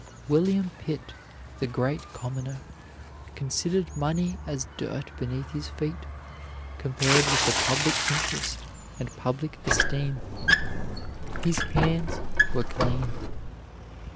William Pitt, the Great Commoner, considered money as dirt beneath his feet compared with the public interest and public esteem. His hands were clean.